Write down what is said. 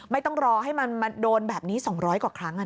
ไม่ต้องรอให้มันมาโดนแบบนี้๒๐๐กว่าครั้ง